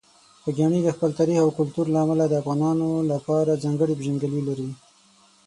خوږیاڼي د خپل تاریخ او کلتور له امله د افغانانو لپاره ځانګړې پېژندګلوي لري.